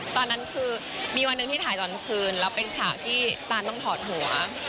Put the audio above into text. ตอนนั้นคือมีวันหนึ่งที่ถ่ายตอนกลางคืนแล้วเป็นฉากที่ตานต้องถอดหัว